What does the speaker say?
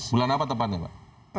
bulan apa tepatnya pak